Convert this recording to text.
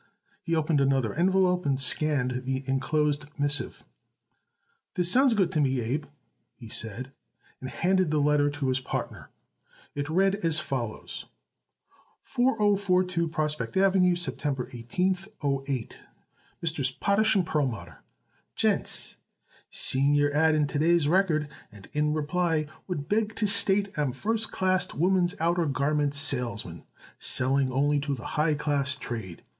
He opened another envelope and scanned the enclosed missive. "This sounds good to me, Abe," he said, and handed the letter to his partner. It read as follows: 4042 PROSPECT AVE., September 18/08. MESSRS POTASH & PERLMUTTER, Gents: Seeing your ad in to days Record and in reply would beg to state am a first class, womans outer garment salesman selling only to the high class trade.